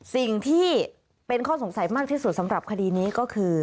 สิ่งที่เป็นข้อสงสัยมากที่สุดสำหรับคดีนี้ก็คือ